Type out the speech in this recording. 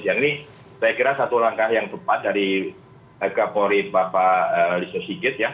yang ini saya kira satu langkah yang tepat dari kapolri bapak listo sigit ya